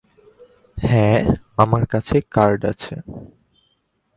হ্যাঁ, আমার কাছে কার্ড আছে।